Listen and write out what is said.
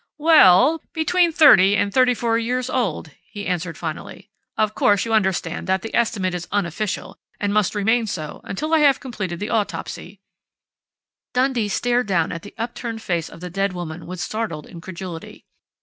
"We ell, between thirty and thirty four years old," he answered finally. "Of course, you understand that that estimate is unofficial, and must remain so, until I have completed the autopsy " Dundee stared down at the upturned face of the dead woman with startled incredulity.